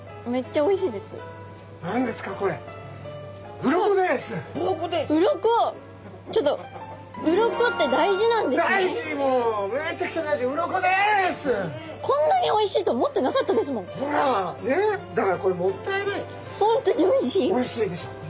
おいしいでしょ。